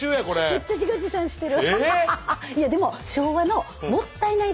むっちゃ自画自賛してる。